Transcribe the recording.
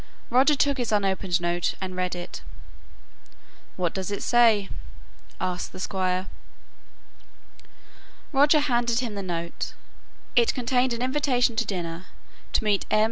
Roger took his unopened note and read it. "What does he say?" asked the Squire. Roger handed him the note. It contained an invitation to dinner to meet M.